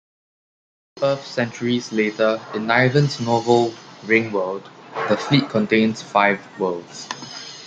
By two Earth centuries later, in Niven's novel "Ringworld", the Fleet contains five worlds.